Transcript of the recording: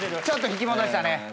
ちょっと引き戻したね。